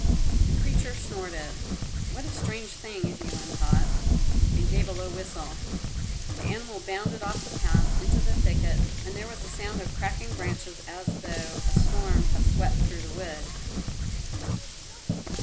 The creature snorted. "What a strange thing!" Jilin thought, and gave a low whistle. The animal bounded off the path into the thicket and there was a sound of cracking branches as though a storm had swept through the wood.